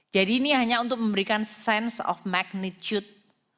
jadi ini hanya untuk memberikan sense of magnitude